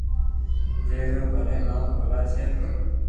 جي رو پيلي نوم ڪولاچي ھتو